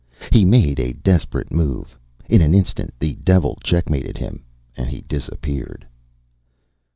He made a desperate move. In an instant the Devil checkmated him, and he disappeared.